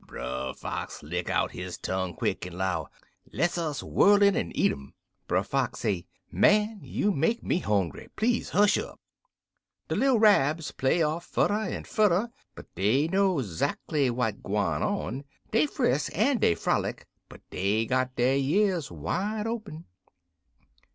"Brer Wolf lick out his tongue quick, en 'low, 'Less us whirl in en eat um.' "Brer Fox say, 'Man, you make me hongry! Please hush up!' "De little Rabs play off furder en furder, but dey know 'zackly what gwine on. Dey frisk en dey frolic, but dey got der years wide open.